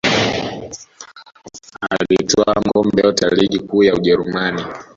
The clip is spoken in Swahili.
Alitwaa makombe yote ya ligi kuu ya ujerumani